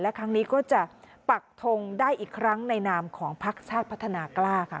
และครั้งนี้ก็จะปักทงได้อีกครั้งในนามของพักชาติพัฒนากล้าค่ะ